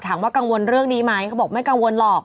กังวลเรื่องนี้ไหมเขาบอกไม่กังวลหรอก